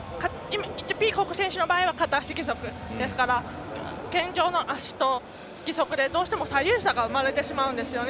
ピーコックの場合は片足義足ですから健常の足と義足の足でどうしても、左右差が生まれてしまうんですよね